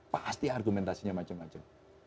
pasti argumentasinya macam macam